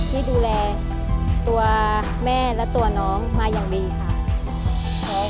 ที่ดูแลตัวแม่และตัวน้องมาอย่างดีค่ะ